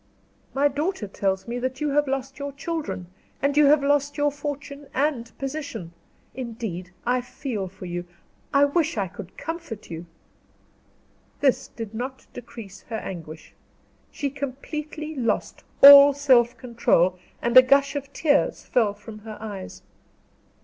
"My daughter tells me that you have lost your children, and you have lost your fortune and position. Indeed I feel for you. I wish I could comfort you!" This did not decrease her anguish. She completely lost all self control, and a gush of tears fell from her eyes.